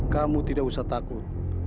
kamu tidak usah takut